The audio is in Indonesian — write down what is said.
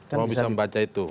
bagaimana bisa membaca itu